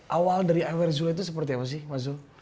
awal dari awer zul itu seperti apa sih mas zul